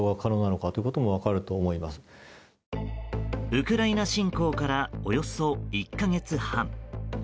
ウクライナ侵攻からおよそ１か月半。